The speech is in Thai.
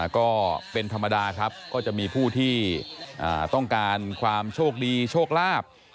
ก็เป็นธรรมดาครับก็จะมีผู้ที่ต้องการความโชคดีโชคลาภ